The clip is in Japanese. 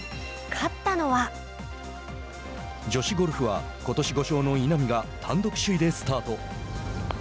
女子ゴルフはことし５勝の稲見が単独首位でスタート。